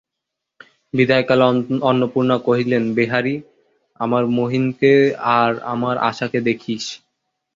বিদায়কালে অন্নপূর্ণা কহিলেন, বেহারি, আমার মহিনকে আর আমার আশাকে দেখিস।